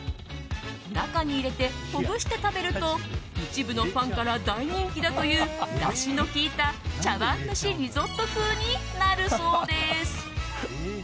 中に入れて、ほぐして食べると一部のファンから大人気だという、だしのきいた茶碗蒸しリゾット風になるそうです。